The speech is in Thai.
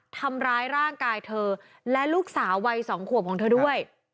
ทำร้ายร่างกายเธอและลูกสาววัย๒ขวบของเธอด้วย